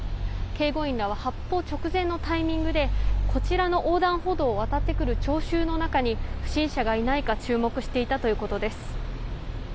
警護員らは発砲直前のタイミングでこちらの横断歩道を渡ってくる聴衆の中に不審者がいないか注目していたということです。